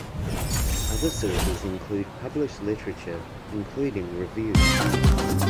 Other sources include published literature including reviews.